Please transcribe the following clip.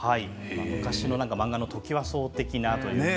昔の漫画のトキワ荘的なというか。